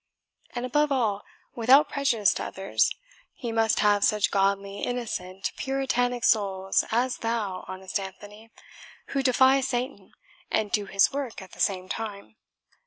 And above all, without prejudice to others, he must have such godly, innocent, puritanic souls as thou, honest Anthony, who defy Satan, and do his work at the same time."